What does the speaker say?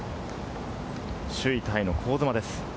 首位タイの香妻です。